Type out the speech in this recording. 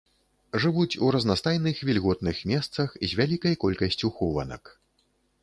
Жывуць у разнастайных вільготных месцах з вялікай колькасцю хованак.